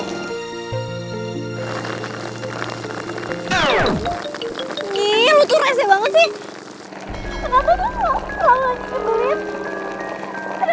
nyi lo tuh rese banget sih